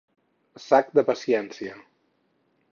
Sac de paciència.